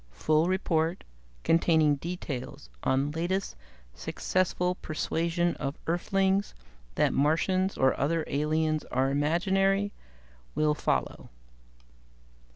Full report, containing details on latest successful persuasion of Earthlings that Martians or other aliens are imaginary, will follow."